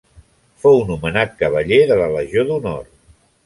Fou nomenat cavaller de la Legió d'Honor.